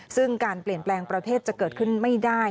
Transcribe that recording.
ซึ่งการเปลี่ยนแปลงประเทศจะเกิดขึ้นไม่ได้